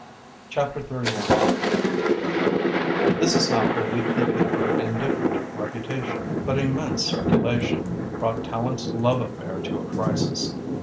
CHAPTER XVII This is how a weekly paper of indifferent reputation but immense circulation brought Tallente's love affair to a crisis.